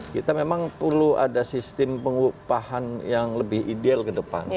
kita memang perlu ada sistem pengupahan yang lebih ideal ke depan